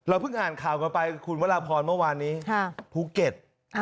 เราเพิ่งอ่านข่าวก่อนไปคุณวรพรมันวานนี้ภูเก็ต